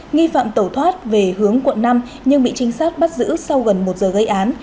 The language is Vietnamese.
nghi phạm tẩu thoát về hướng quận năm nhưng bị trinh sát bắt giữ sau gần một giờ gây án